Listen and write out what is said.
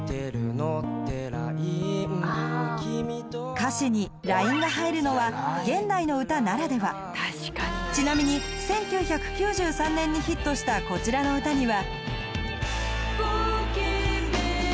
歌詞に「ＬＩＮＥ」が入るのは現代の歌ならではちなみに１９９３年にヒットしたこちらの歌には